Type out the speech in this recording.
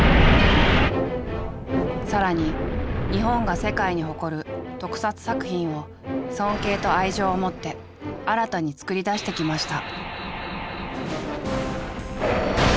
更に日本が世界に誇る特撮作品を尊敬と愛情を持って新たに作り出してきました。